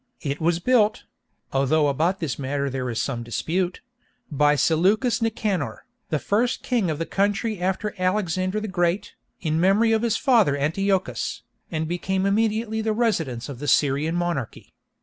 It was built (although about this matter there is some dispute) by Seleucus Nicanor, the first king of the country after Alexander the Great, in memory of his father Antiochus, and became immediately the residence of the Syrian monarchy.